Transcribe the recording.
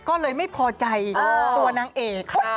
ก็เลยไม่พอใจตัวนางเอก